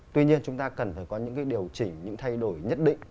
tuy nhiên chúng ta cần phải có những điều chỉnh những thay đổi nhất định